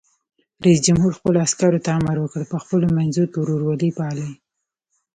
رئیس جمهور خپلو عسکرو ته امر وکړ؛ په خپلو منځو کې ورورولي پالئ!